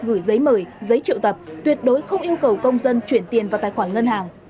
gửi giấy mời giấy triệu tập tuyệt đối không yêu cầu công dân chuyển tiền vào tài khoản ngân hàng